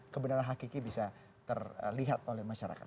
kebenaran hakiki bisa terlihat oleh masyarakat